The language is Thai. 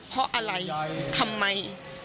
เพราะอะไรทำไม